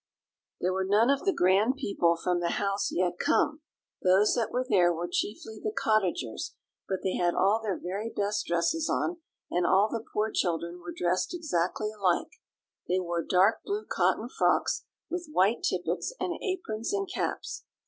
There were none of the grand people from the house yet come; those that were there were chiefly the cottagers, but they had all their very best dresses on, and all the poor children were dressed exactly alike. They wore dark blue cotton frocks with white tippets, and aprons, and caps.